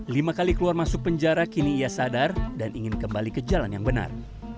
lima kali keluar masuk penjara kini ia sadar dan ingin kembali ke jalan yang benar